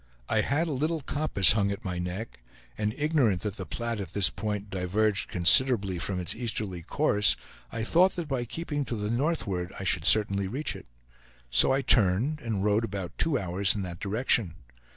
I had a little compass hung at my neck; and ignorant that the Platte at this point diverged considerably from its easterly course, I thought that by keeping to the northward I should certainly reach it. So I turned and rode about two hours in that direction.